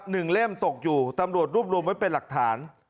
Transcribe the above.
เล่มตกอยู่ตำรวจรวบรวมไว้เป็นหลักฐาน